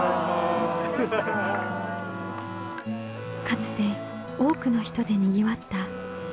かつて多くの人でにぎわった石見銀山の町。